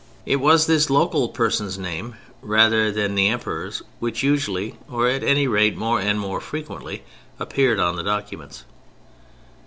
It was this local person's name, rather than the Emperor's, which usually—or at any rate more and more frequently—appeared on the documents.